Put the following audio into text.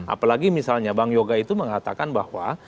apalagi misalnya bang yoga itu mengatakan bahwa